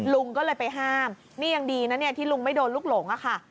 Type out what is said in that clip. ลุงก็เลยไปห้ามนี่ยังดีนะเนี่ยที่ลุงไม่โดนลูกหลงอะค่ะ